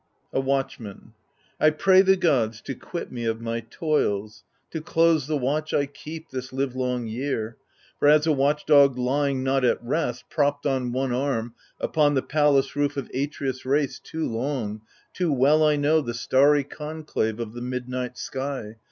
AGAMEMNON A Watchman I PRAY the gods to quit me of my toils, To close the watch I keep, this livelong year ; For as a watch dog lying, not at rest, Propped on one arm, upon the palace roof Of Atreus* race, too long, too well I know The starry conclave of the midnight sky.